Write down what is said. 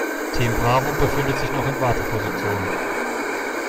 Team Bravo befindet sich noch in Warteposition.